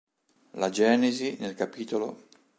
La Genesi nel cap.